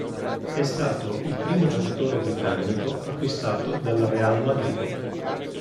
È stato il primo giocatore britannico acquistato dal Real Madrid.